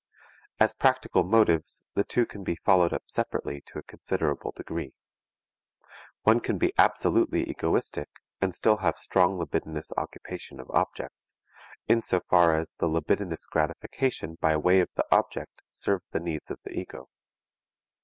As practical motives the two can be followed up separately to a considerable degree. One can be absolutely egoistic, and still have strong libidinous occupation of objects, in so far as the libidinous gratification by way of the object serves the needs of the ego.